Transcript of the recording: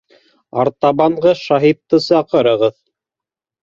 —Артабанғы шаһитты саҡырығыҙ!